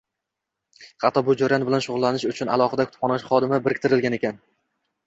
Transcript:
Hatto bu jarayon bilan shugʻullanish uchun alohida kutubxonachi xodimi biriktirilgan ekan.